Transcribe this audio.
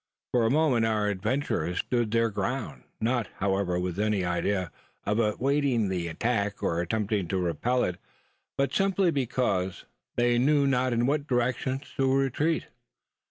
For a moment our adventurers stood their ground not, however, with any idea of awaiting the attack or attempting to repel it; but simply because they knew not in what direction to retreat.